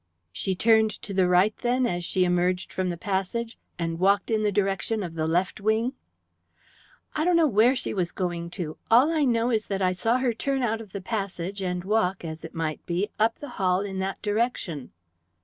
"She turned to the right, then, as she emerged from the passage, and walked in the direction of the left wing?" "I don't know where she was going to. All I know is that I saw her turn out of the passage, and walk, as if might be, up the hall in that direction."